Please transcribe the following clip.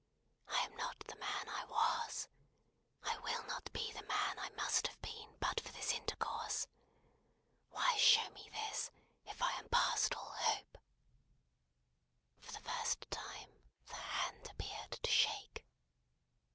I am not the man I was. I will not be the man I must have been but for this intercourse. Why show me this, if I am past all hope!" For the first time the hand appeared to shake.